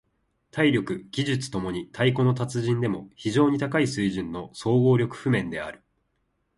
体力・技術共に太鼓の達人でも非常に高い水準の総合力譜面である。